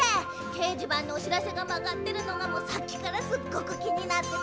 けいじばんのおしらせがまがってるのがもうさっきからすっごくきになってて。